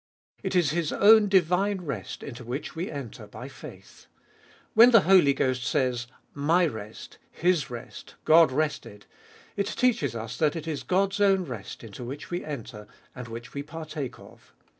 It is His own divine rest into which we enter by faith. When the Holy Ghost says, My rest, His rest, God rested, it teaches us that it is God's own rest into which we enter, and which we partake of.